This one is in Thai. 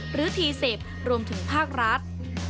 หรือทีเสพรวมถึงภาครัฐ